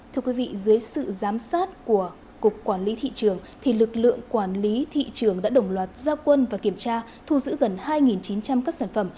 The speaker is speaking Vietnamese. thưa quý vị dưới sự giám sát của cục quản lý thị trường thì lực lượng quản lý thị trường đã đồng loạt gia quân và kiểm tra thu giữ gần hai chín trăm linh các sản phẩm